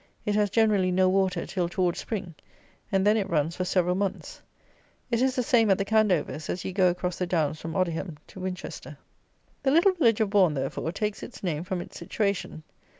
It has, generally, no water till towards Spring, and then it runs for several months. It is the same at the Candovers, as you go across the downs from Odiham to Winchester. The little village of Bourn, therefore, takes its name from its situation.